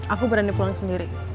aku berani pulang sendiri